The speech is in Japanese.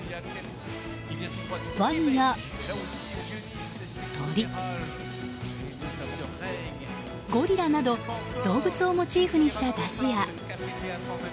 ワニや鳥、ゴリラなど動物をモチーフにした山車や。